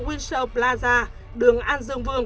windsor plaza đường an dương vương